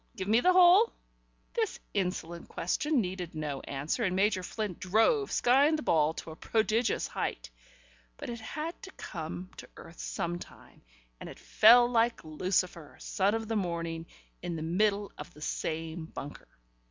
Give me the hole?" This insolent question needed no answer, and Major Flint drove, skying the ball to a prodigious height. But it had to come to earth sometime, and it fell like Lucifer, son of the morning, in the middle of the same bunker. ...